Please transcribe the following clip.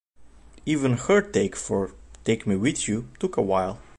Even her take for "Take Me with U" took a while.